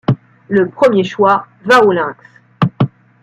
Le premier choix va au Lynx.